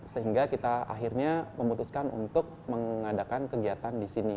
sehingga kita akhirnya memutuskan untuk mengadakan kegiatan di sini